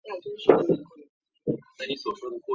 政党的注册也在该月开放。